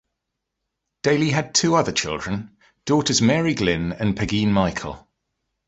Daly had two other children - daughters, Mary Glynn and Pegeen Michael.